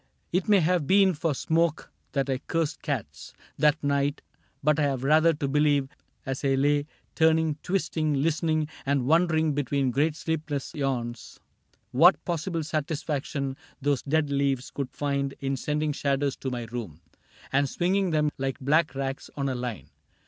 .\A' It may have been for smoke that I cursed cats That night, but I have rather to believe As I lay turning, twisting, listening. And wondering, between great sleepless yawns, What possible satisfaction those dead leaves Could find in sending shadows to my room CAPTAIN CRAIG 13 And swinging them like black rags on a line.